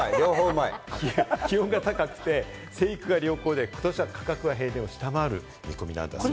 気温が高くて生育が良好で、ことしは価格が平年を下回る見込みだそうです。